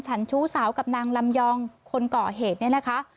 ชู้สาวกับนางลำยองคนก่อเหตุเนี่ยนะคะ